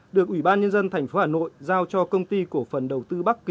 được ủy ban nhân dân tp hà nội giao cho công ty cổ phần đầu tư bắc kỳ